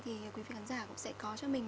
thì quý vị khán giả cũng sẽ có cho mình